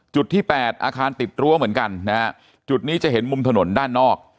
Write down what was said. จุดที่แปดอาคารติดรั้วเหมือนกันนะฮะจุดนี้จะเห็นมุมถนนด้านนอก